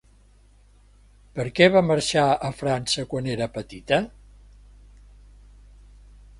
Per què va marxar a França quan era petita?